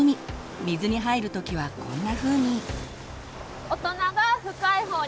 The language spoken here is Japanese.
水に入る時はこんなふうに。